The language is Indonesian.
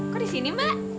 kok di sini mbak